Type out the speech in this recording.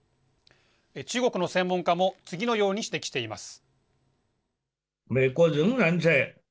中国の専門家も次のように指摘しています。